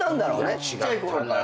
ちっちゃい頃から。